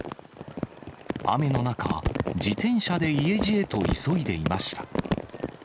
雨の中、自転車で家路へと急いでいました。